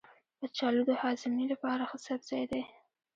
کچالو د هاضمې لپاره ښه سبزی دی.